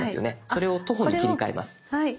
それを「徒歩」に切り替えます。